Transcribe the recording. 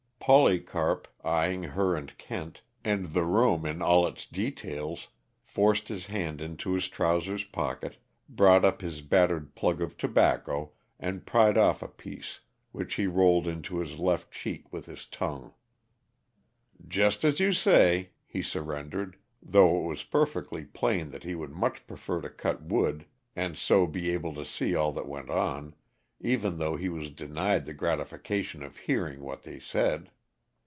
Polycarp, eying her and Kent, and the room in all its details, forced his hand into his trousers pocket, brought up his battered plug of tobacco and pried off a piece, which he rolled into his left cheek with his tongue. "Jest as you say," he surrendered, though it was perfectly plain that he would much prefer to cut wood and so be able to see all that went on, even though he was denied the gratification of hearing what they said.